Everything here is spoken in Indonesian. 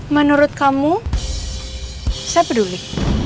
menurut kamu saya peduli